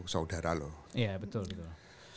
saudara loh iya betul gitu